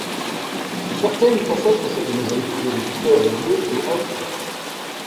Certaines façades possèdent des mosaïques de couleurs bleus et ocres.